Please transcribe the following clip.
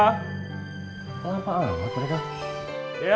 kenapa amat mereka